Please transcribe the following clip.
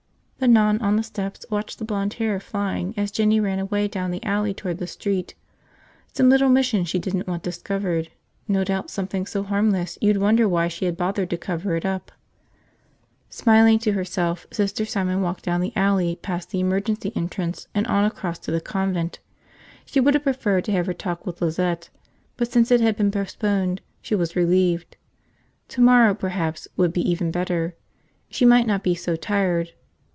The nun, on the steps, watched the blond hair flying as Jinny ran away down the alley toward the street. Some little mission she didn't want discovered, no doubt something so harmless you'd wonder why she had bothered to cover it up. Smiling to herself, Sister Simon walked down the alley past the emergency entrance and on across to the convent. She would have preferred to have her talk with Lizette, but since it had to be postponed she was relieved. Tomorrow, perhaps, would be even better. She might not be so tired.